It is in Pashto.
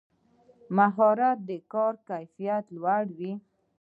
مهارت د کار کیفیت لوړوي